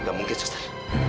nggak mungkin suster